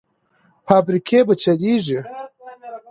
فابریکې به چلېږي؟